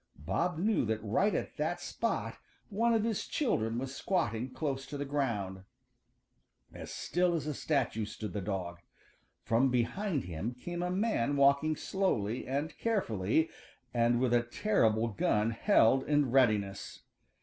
Bob knew that right at that spot one of his children was squatting close to the ground. As still as a statue stood the dog. From behind him came a man walking slowly and carefully and with a terrible gun held in readiness.